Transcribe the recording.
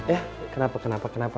eh kenapa kenapa kenapa